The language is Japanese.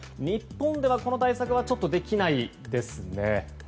日本では、この対策はちょっとできないですね。